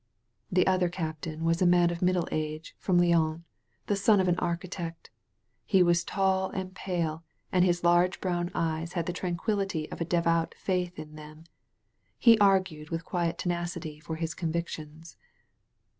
'' The other captain was a man of middle age, from Lyons, the son of an architect. He was taU and pale and his large brown eyes had the tranquillity of a devout faith in them. He argued with quiet tenacity for his convictions.